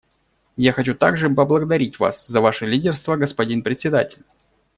Я хочу также поблагодарить вас за ваше лидерство, господин Председатель.